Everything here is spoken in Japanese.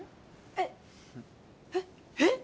えっえっ？えっ？